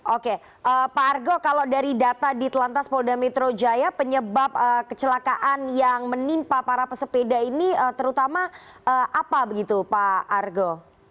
oke pak argo kalau dari data di telantas polda metro jaya penyebab kecelakaan yang menimpa para pesepeda ini terutama apa begitu pak argo